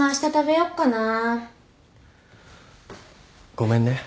ごめんね。